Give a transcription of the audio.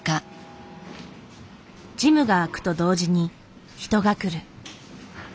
ジムが開くと同時に人が来る。